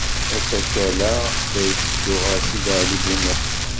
Asakal-a la yetteddu ɣer Sidi Ɛli Bunab.